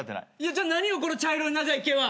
じゃあ何よこの茶色い長い毛は。